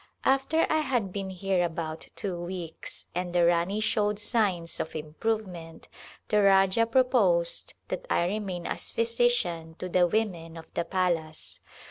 After I had been here about two weeks and the Rani showed signs of improvement the Rajah pro posed that I remain as physician to the women of the palace.